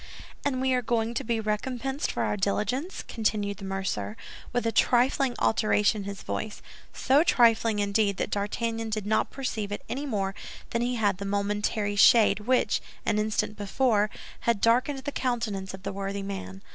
"And we are going to be recompensed for our diligence?" continued the mercer, with a trifling alteration in his voice—so trifling, indeed, that D'Artagnan did not perceive it any more than he had the momentary shade which, an instant before, had darkened the countenance of the worthy man.